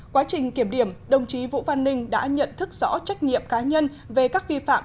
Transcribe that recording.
quá trình kiểm điểm đồng chí vũ văn ninh đã nhận thức rõ trách nhiệm cá nhân về các vi phạm